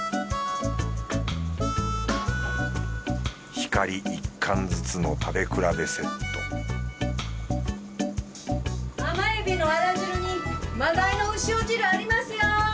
ひかり一貫ずつの食べ比べセット甘エビのあら汁に真鯛のうしお汁ありますよ！